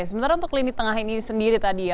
sementara untuk lini tengah ini sendiri tadi ya